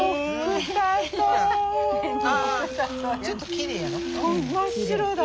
ちょっときれいやろ。